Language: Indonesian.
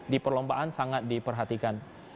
di perlombaan sangat diperhatikan